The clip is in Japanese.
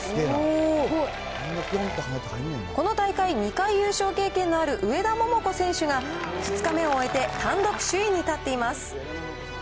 この大会２回優勝経験のある上田桃子選手が、２日目を終えて単独首位に立っています。